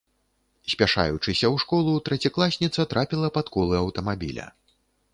Спяшаючыся ў школу, трэцякласніца трапіла пад колы аўтамабіля.